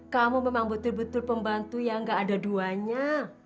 kamu memang betul betul pembantu yang gak ada duanya